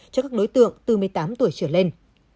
cho các đối tượng từ một mươi tám tuổi trở lên